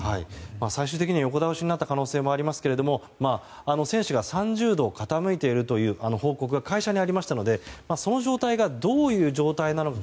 最終的には横倒しになった可能性もありますけど船首が３０度傾いているという報告が会社にありましたのでその状態がどういう状態か